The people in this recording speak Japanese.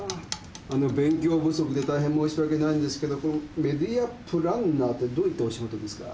あの勉強不足で大変申し訳ないんですけどこの「メディア・プランナー」ってどういったお仕事ですか？